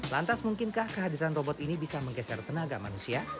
lantas mungkinkah kehadiran robot ini bisa menggeser tenaga manusia